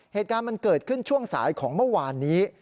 เหตุการณ์มันเกิดขึ้นช่วงสายของเมื่อวานนี้